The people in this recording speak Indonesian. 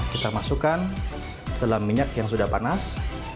kita masukkan dalam minyak yang sudah panas